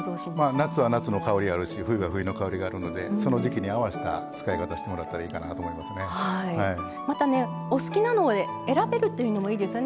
夏は夏の香りがありますし冬は冬の香りがあるのでその時季に合わせた使い方をしていただけると好きなのを選べるというのもいいですよね。